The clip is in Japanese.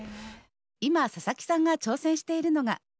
今、佐々木さんが挑戦しているのが。